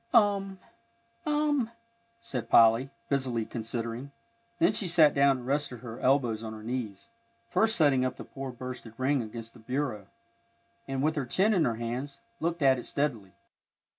"Um! " said Polly, busily considering. Then she sat down and rested her elbows on her knees, first setting up the poor bursted ring against the bureau; and, with her chin in her hands, looked at it steadily.